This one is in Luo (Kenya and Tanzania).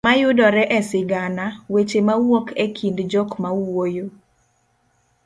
mayudore e sigana; weche mawuok e kind jok mawuoyo